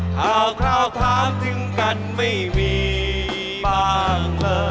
ถ้าคราวถามถึงกันไม่มีบ้าง